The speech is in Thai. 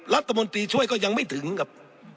รัฐมนตรีช่วยก็ยังไม่ถึงครับ